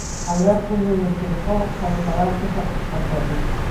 Alberto Núñez Feijóo fai un balance satisfactorio.